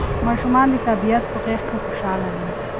ماشومان د طبیعت په غېږ کې خوشاله وي.